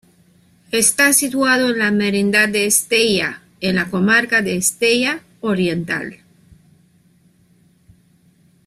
Está situado en la Merindad de Estella, en la Comarca de Estella Oriental.